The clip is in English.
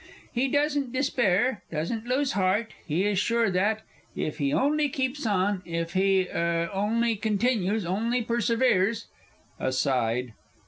He doesn't despair, doesn't lose heart he is sure that, if he only keeps on, if he er only continues, only perseveres (_Aside.